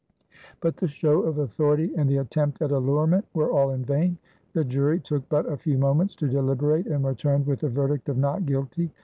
But the show of authority and the attempt at allurement were all in vain. The jury took but a few moments to deliberate and returned with the verdict of "not guilty."